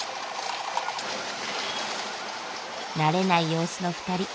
慣れない様子の２人。